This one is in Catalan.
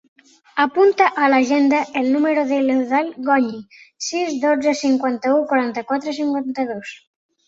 Apunta a l'agenda el número de l'Eudald Goñi: sis, dotze, cinquanta-u, quaranta-quatre, cinquanta-dos.